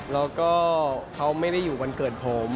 แล้วก็เขาไม่ได้อยู่วันเกิดผม